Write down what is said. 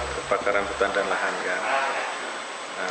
kebakaran hutan dan lahan kan